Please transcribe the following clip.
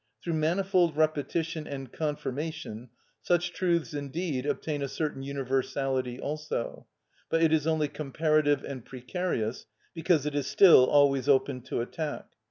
Through manifold repetition and confirmation such truths indeed obtain a certain universality also, but it is only comparative and precarious, because it is still always open to attack.